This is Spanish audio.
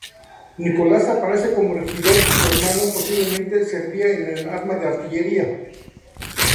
Nicolás aparece como regidor y su hermano, posiblemente, servía en el Arma de Artillería.